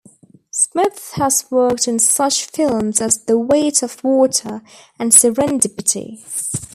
Smith has worked on such films as "The Weight of Water" and "Serendipity".